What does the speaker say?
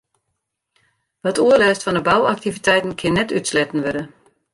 Wat oerlêst fan 'e bouaktiviteiten kin net útsletten wurde.